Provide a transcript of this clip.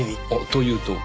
というと？